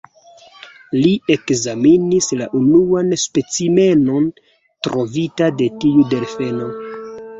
Li ekzamenis la unuan specimenon trovita de tiu delfeno.